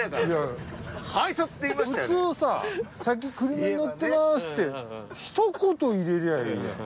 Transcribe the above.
普通さ「先車乗ってます」ってひと言入れりゃあいいやん。